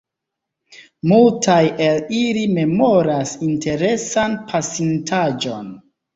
Multaj el ili memoras interesan pasin-taĵon.